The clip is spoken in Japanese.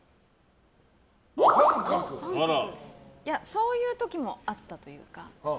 そういう時もあったというか。